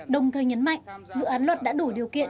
đồng thời nhấn mạnh dự án luật đã đủ điều kiện